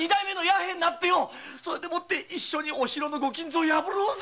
それで一緒にお城の御金蔵を破ろうぜ！